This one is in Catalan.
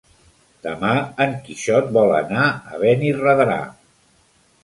Demà en Quixot vol anar a Benirredrà.